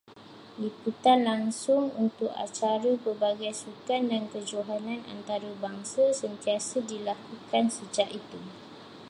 Liputan langsung untuk acara pelbagai sukan dan kejohanan antarabangsa sentiasa dilakukan sejak itu.